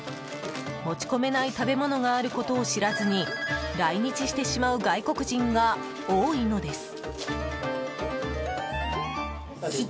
持ち込めない食べ物があることを知らずに来日してしまう外国人が多いのです。